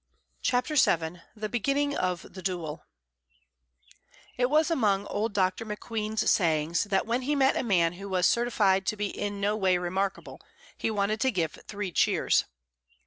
CHAPTER VII THE BEGINNING OF THE DUEL It was among old Dr. McQueen's sayings that when he met a man who was certified to be in no way remarkable he wanted to give three cheers.